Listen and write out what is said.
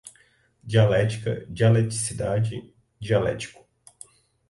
Dialética, dialeticidade, dialético